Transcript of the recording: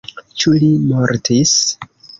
Ĉu li mortis?